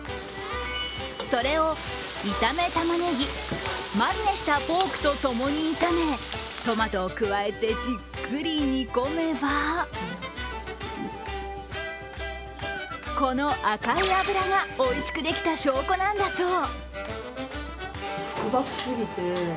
それを炒めたまねぎ、マリネしたポークとともに炒め、トマトを加えてじっくり煮込めばこの赤い脂が、おいしくできた証拠なんだそう。